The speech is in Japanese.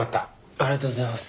ありがとうございます。